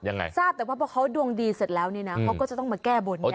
ยังไงทราบแต่ว่าพอเขาดวงดีเสร็จแล้วนี่นะเขาก็จะต้องมาแก้บนไง